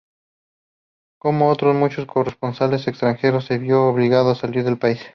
Como otros muchos corresponsales extranjeros, se vio obligado a salir del país.